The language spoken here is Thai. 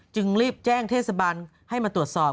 จึงรีบแจ้งเทศบาลให้มาตรวจสอบ